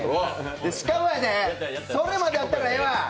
しかも、それまでだったらええわ。